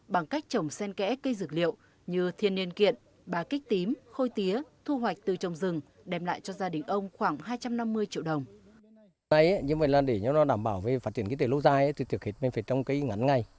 bằng cách trồng sen kẽ cây dược liệu như thiên niên kiện bà kích tím khôi tía thu hoạch từ trồng rừng đem lại cho gia đình ông khoảng hai trăm năm mươi triệu đồng